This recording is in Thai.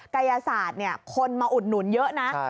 กายศาสตร์คนมาอุดหนุนเยอะนะ